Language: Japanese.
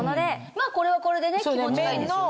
まぁこれはこれでね気持ちがいいですよね。